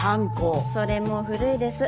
それもう古いです。